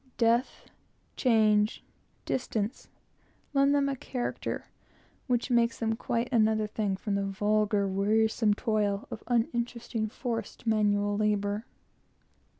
Death, change, distance, lend them a character which makes them quite another thing from the vulgar, wearisome toil of uninteresting, forced manual labour.